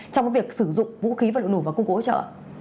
trong việc sử dụng vũ khí vật liệu nổ và công cụ hỗ trợ